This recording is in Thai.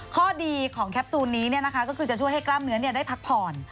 ข้อดีของแคปซูลนี้ก็คือจะช่วยให้กล้ามเนื้อได้พักผ่อน